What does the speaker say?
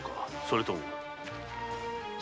それとも？